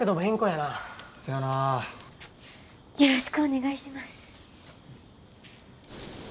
よろしくお願いします。